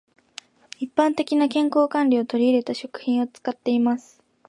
一般的な健康管理を取り入れた食品を使っています。